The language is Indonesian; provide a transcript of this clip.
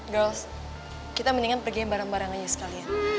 girls kita mendingan pergi bareng bareng aja sekalian